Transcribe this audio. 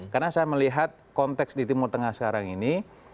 karena saya melihat konteks di timur tengah sekarang ini